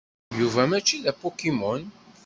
Yuba mačči d apokimon.